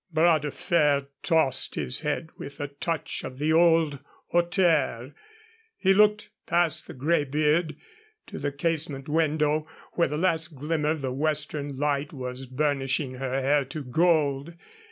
Bras de Fer tossed his head with a touch of the old hauteur. He looked past the gray beard to the casement window, where the last glimmer of the western light was burnishing her hair to gold.